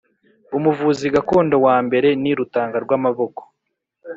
Umuvuzi gakondo wa mbere ni Rutangarwamaboko